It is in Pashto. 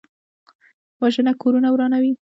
وژنه کورونه ورانوي